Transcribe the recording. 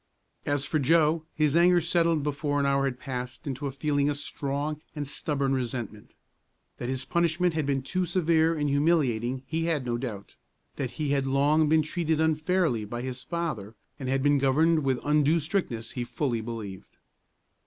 As for Joe, his anger settled before an hour had passed into a feeling of strong and stubborn resentment. That his punishment had been too severe and humiliating he had no doubt. That he had long been treated unfairly by his father and had been governed with undue strictness he fully believed.